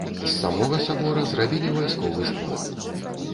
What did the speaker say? З самога сабора зрабілі вайсковы склад.